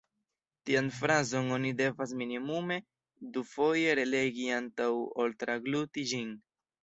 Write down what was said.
Tian frazon oni devas minimume dufoje relegi antaŭ ol tragluti ĝin.